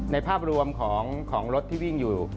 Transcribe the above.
ภาพรวมของรถที่วิ่งอยู่